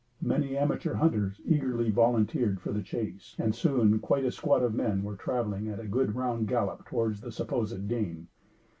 Many amateur hunters eagerly volunteered for the chase, and soon, quite a squad of men were traveling at a good round gallop towards the supposed game.